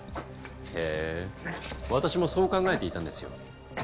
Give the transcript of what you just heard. へえ私もそう考えていたんですよ。